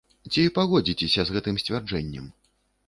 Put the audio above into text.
Ці пагодзіцеся з гэтым сцвярджэннем?